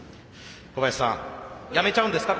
小林さんやめちゃうんですか？